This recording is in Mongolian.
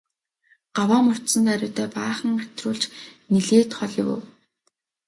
Гаваа мордсон даруйдаа баахан хатируулж нэлээд хол явав.